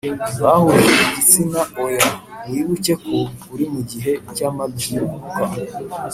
Bahuje igitsina oya wibuke ko uri mu gihe cy amabyiruka